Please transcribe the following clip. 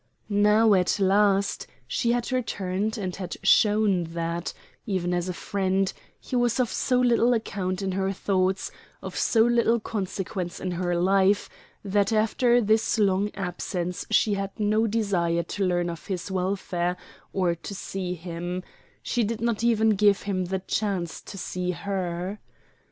Now at last she had returned and had shown that, even as a friend, he was of so little account in her thoughts, of so little consequence in her life, that after this long absence she had no desire to learn of his welfare or to see him she did not even give him the chance to see her.